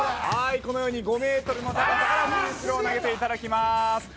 このように５メートルの高さからフリースロー投げていただきます。